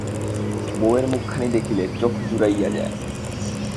বউয়ের মুখখানি দেখিলে চোখ জুড়াইয়া যায়।